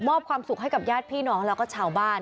ความสุขให้กับญาติพี่น้องแล้วก็ชาวบ้าน